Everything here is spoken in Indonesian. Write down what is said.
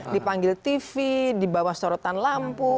dipanggil tv dibawah sorotan lampu